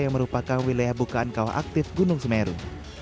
yang merupakan wilayah bukaan kawah aktif gunung semeru